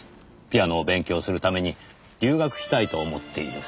ピアノを勉強するために留学したいと思っている。